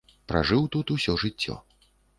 Пражыў тут усё жыццё.